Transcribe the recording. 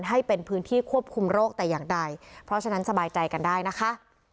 ให้เป็นพื้นที่ควบคุมโรคแต่อย่างใดเพราะฉะนั้นสบายใจกันได้นะคะ